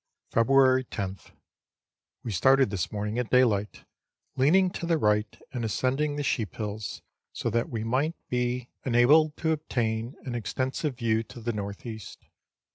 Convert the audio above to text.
February 10th. We started this morning at daylight, leaning to the right, and ascending the sheep hills, so that we might be Letters from Victorian Pioneers. 295 enabled to obtain an extensive view to the north east.